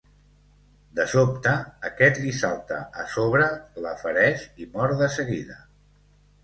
De sobte, aquest li salta a sobre, la fereix i mor de seguida.